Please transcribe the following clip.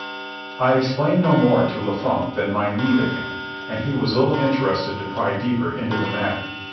I explained no more to Lanfranc than my need of him, and he was little interested to pry deeper into the matter.